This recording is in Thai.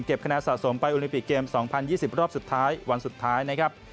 คะแนนสะสมไปโอลิมปิกเกม๒๐๒๐รอบสุดท้ายวันสุดท้ายนะครับ